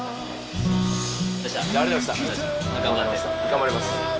頑張ります。